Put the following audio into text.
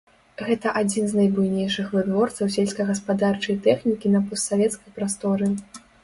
Гэта адзін з найбуйнейшых вытворцаў сельскагаспадарчай тэхнікі на постсавецкай прасторы.